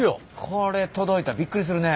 これ届いたらびっくりするね。